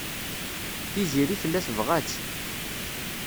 Tiziri tella tebɣa-tt.